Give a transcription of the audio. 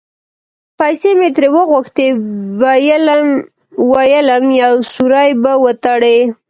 پیسې مې ترې وغوښتې؛ وېلم یو سوری به وتړي.